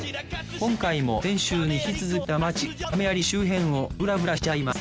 今回も先週に引き続き東京の下町亀有周辺をブラブラしちゃいます